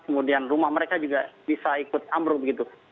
kemudian rumah mereka juga bisa ikut ambruk gitu